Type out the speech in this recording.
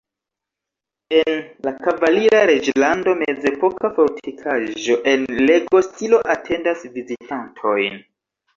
En la "kavalira reĝlando" mezepoka fortikaĵo en Lego-stilo atendas vizitantojn.